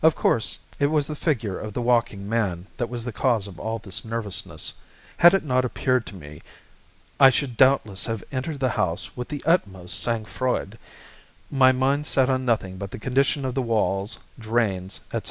Of course, it was the figure of the walking man that was the cause of all this nervousness; had it not appeared to me I should doubtless have entered the house with the utmost sang froid, my mind set on nothing but the condition of the walls, drains, etc.